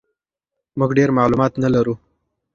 موږ ډېر معلومات نه لرو.